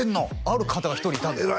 ある方が１人いたんです